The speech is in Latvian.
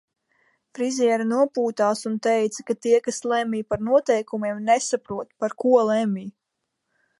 Friziere nopūtās un teica, ka tie, kas lemj par noteikumiem, nesaprot, par ko lemj.